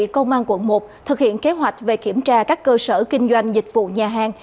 công an quận một thực hiện kế hoạch về kiểm tra các cơ sở kinh doanh dịch vụ nhà hàng